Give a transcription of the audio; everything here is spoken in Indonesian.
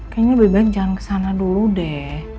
kayaknya lebih baik jangan ke sana dulu deh